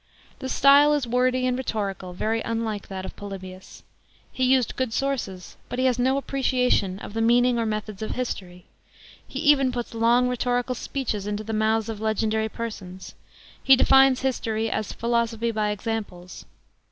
The style is wordy and rhetorical, very unlike that of Polybius. He used good sources; but he has no appreciation of the meaning or methods of history; he even P' ts long rhetorical speeches into the mouths of legendary persons. Fie defines history as "philosophy by examples."